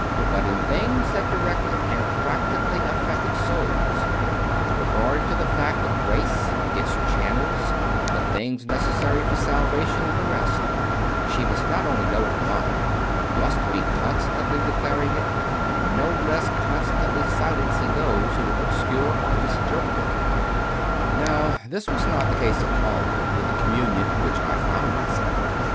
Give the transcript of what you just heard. But in things that directly and practically affect souls with regard to the fact of grace, its channels, the things necessary for salvation, and the rest she must not only know her mind, but must be constantly declaring it, and no less constantly silencing those who would obscure or misinterpret it. Now this was not at all the case with the Com munion in which I found myself.